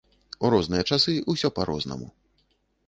У розныя часы ўсё па-рознаму.